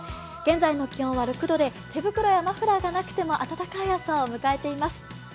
現在の気温は６度で手袋やマフラーがなくても暖かい朝を迎えています。